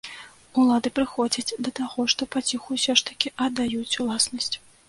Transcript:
Улады прыходзяць да таго, што паціху ўсё ж такі аддаюць уласнасць.